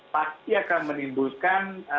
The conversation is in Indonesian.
pasti akan menimbulkan